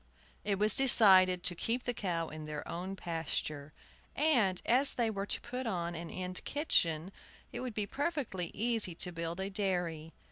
It was decided to keep the cow in their own pasture; and as they were to put on an end kitchen, it would be perfectly easy to build a dairy.